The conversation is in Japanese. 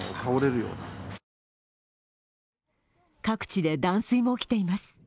各地で断水も起きています。